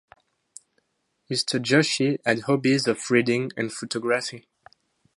Mr Joshi had hobbies of Reading and Photography.